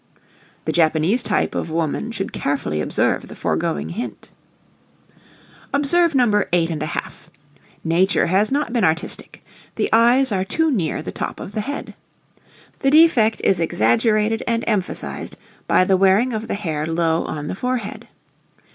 The Japanese type of woman should carefully observe the foregoing hint. Observe No. 8 1/2. Nature has not been artistic. The eyes are too near the top of the head. The defect is exaggerated and emphasized by the wearing of the hair low on the forehead.